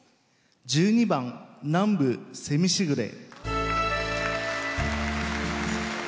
１２番「南部蝉しぐれ」。